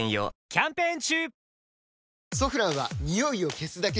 キャンペーン中！